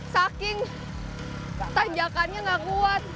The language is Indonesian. saking tanjakannya nggak kuat